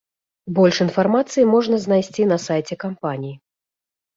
Больш інфармацыі можна знайсці на сайце кампаніі.